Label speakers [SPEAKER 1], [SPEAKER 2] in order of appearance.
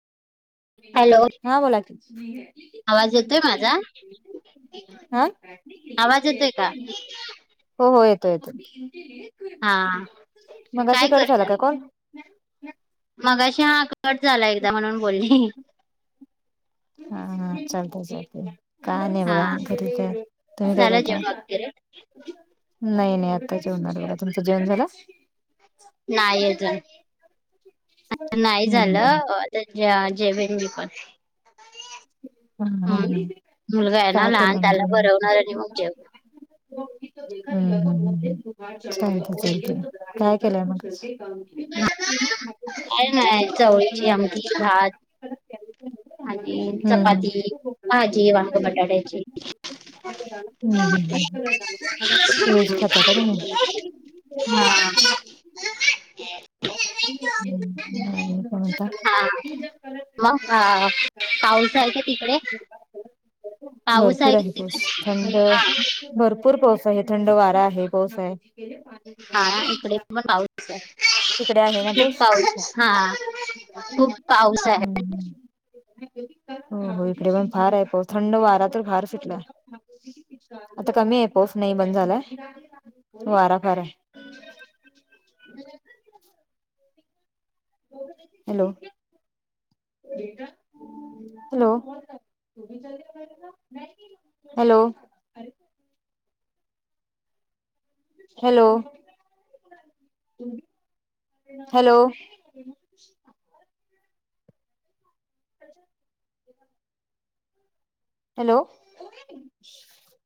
[SPEAKER 1] Hello
[SPEAKER 2] हा, बोला की.
[SPEAKER 1] आवाज येतोय माझा
[SPEAKER 2] हा,
[SPEAKER 1] आवाज येतोय का
[SPEAKER 2] हो हो, येतो येतो.
[SPEAKER 1] हा
[SPEAKER 2] [inaudible] मगाशी
[SPEAKER 1] काय
[SPEAKER 2] कट झाला
[SPEAKER 1] करता
[SPEAKER 2] का कॉल?
[SPEAKER 1] मगाशी हाअ कट झाला एकदा म्हणून बोलली.
[SPEAKER 2] हा हा चालते चालते. काय नाई
[SPEAKER 1] हा
[SPEAKER 2] बघा [inaudible] ठीकाय, तुमी काय
[SPEAKER 1] झालं जेवण वगैरे
[SPEAKER 2] करताय? नाही नाही, आत्ता जेवणार बगा, तुमचं जेवण झालं?
[SPEAKER 1] नायी अजून, अत्तन-नाही
[SPEAKER 2] हम्म हम्म.
[SPEAKER 1] झालं त्या-ज्या -जेवेन मीप
[SPEAKER 2] हा हा हा!
[SPEAKER 1] आहे ना
[SPEAKER 2] काय
[SPEAKER 1] लहान
[SPEAKER 2] केलं म
[SPEAKER 1] त्याला
[SPEAKER 2] तुम्ही?
[SPEAKER 1] भरवणार आणि मग जेव
[SPEAKER 2] [inaudible] काय केलय मगशी
[SPEAKER 1] काय नाय, चवळीची आमटी भात आनि चपाती भाजी वांग बटाट्याची.
[SPEAKER 2] [inaudible] व्हेज खाता का तुम्ही?
[SPEAKER 1] हा. [inaudible]
[SPEAKER 2] [unintelligible] कोणता
[SPEAKER 1] महा [inaudible] पाऊस आहे का तिकडे?
[SPEAKER 2] भरपूर आहे पऊस. थंड भरपूर पाऊस बय थंड वारा आहे, पाऊस आहे.
[SPEAKER 1] हा इकडे पण पाऊच आहे.
[SPEAKER 2] तिकडे
[SPEAKER 1] खुप पाऊसए. हा. खूप पाऊस आहे.
[SPEAKER 2] हम्म्. हं हं, इकडे पण फाराय पाऊस. थंड वारा तर फार सुटला. आता कमीए पाऊस, नाही बंद झालाय, वारा फार आहे. Hello [unintelligible] hello hello hello hello आजा हॅलो